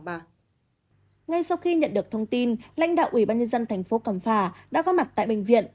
ngay sau khi nhận được thông tin lãnh đạo ủy ban nhân dân thành phố cẩm phà đã có mặt tại bệnh viện